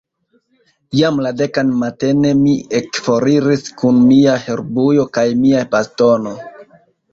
Jam la dekan matene, mi ekforiris kun mia herbujo kaj mia bastono.